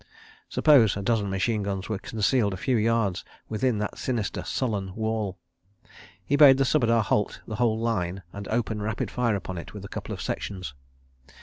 Suppose a dozen machine guns were concealed a few yards within that sinister sullen wall. He bade the Subedar halt the whole line and open rapid fire upon it with a couple of sections.